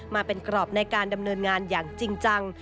มาเป็นกรอบในการดำเนินงานอย่างจริงจัง